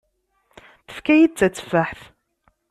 Yefka-yi-d tatteffaḥt.